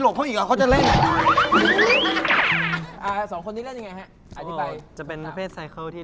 อ๋อแล้วการที่เราจะเล่นแบบนี้ดิ